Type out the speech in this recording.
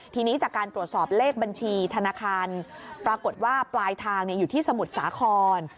ทีนี้จากการตรวจสอบเลขบัญชีธนาคารปรากฏว่าปลายทางอยู่ที่สมุทรสาคร